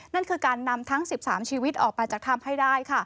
นั่นคือการนำทั้ง๑๓ชีวิตออกมาจากถ้ำให้ได้